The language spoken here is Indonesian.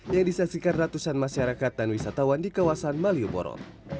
yang disaksikan ratusan masyarakat dan wisatawan di kawasan malioboro